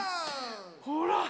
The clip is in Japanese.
ほら！